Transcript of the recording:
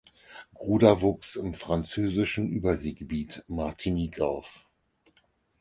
Gruda wuchs im französischen Überseegebiet Martinique auf.